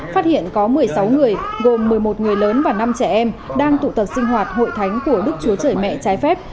phát hiện có một mươi sáu người gồm một mươi một người lớn và năm trẻ em đang tụ tập sinh hoạt hội thánh của đức chúa trời mẹ trái phép